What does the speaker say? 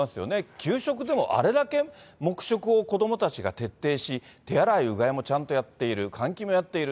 給食でも、あれだけ黙食を子どもたちが徹底し、手洗い、うがいもちゃんとやっている、換気もやっている。